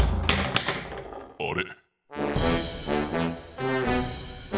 あれ？